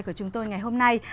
của chúng tôi ngày hôm nay